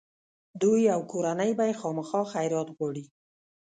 دوی او کورنۍ به یې خامخا خیرات غواړي.